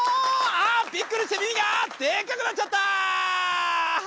あっびっくりして耳がでっかくなっちゃった！